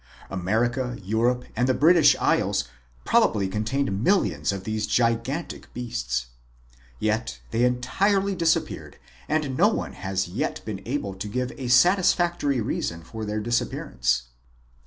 America, Europe, and the British Isles probably contained millions of these gigantic beasts. Yet they entirely disappeared and no one has yet been able to give a satisfactory reason for this dis appearance.